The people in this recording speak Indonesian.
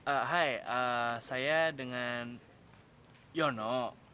eh hai eh saya dengan yono